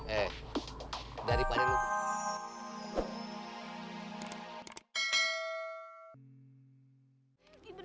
eh daripada lo